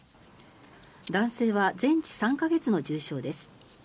男性は全治３か月の重傷です。